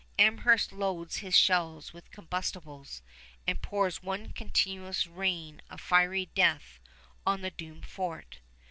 Amherst loads his shells with combustibles and pours one continuous rain of fiery death on the doomed fort.